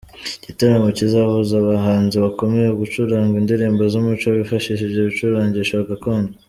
Igitaramo kizahuza abahanzi bakomeye mu gucuranga indirimbo z’umuco bifashishije ibicurangisho gakondo.